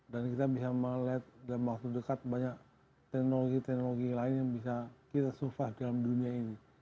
dan kita bisa melihat dalam waktu dekat banyak teknologi teknologi lain yang bisa kita survive dalam dunia ini